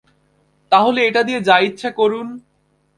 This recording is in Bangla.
তাহলে এটা দিয়ে যা ইচ্ছে করুন।